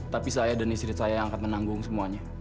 tapi saya dan istri saya yang akan menanggung semuanya